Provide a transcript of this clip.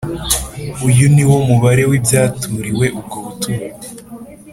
Uyu ni wo mubare w’ibyaturiwe ubwo buturo